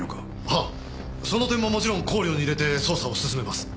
はっその点ももちろん考慮に入れて捜査を進めます。